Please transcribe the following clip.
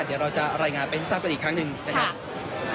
เดี๋ยวเราจะรายงานไปให้ทราบกันอีกครั้งหนึ่งนะครับ